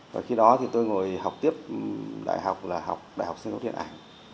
và khi đó thì tôi ngồi học tiếp đại học là học đại học sân khấu điện ảnh